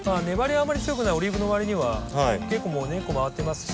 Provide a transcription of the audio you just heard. あんまり強くないオリーブのわりには結構もう根っこ回ってますし。